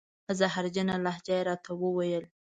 په زهرجنه لهجه یې را ته و ویل: